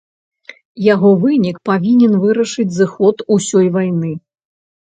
Яго вынік павінен вырашыць зыход усёй вайны.